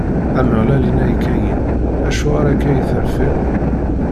Ameɣlal inna i Kayin: Acuɣer akka i terfiḍ?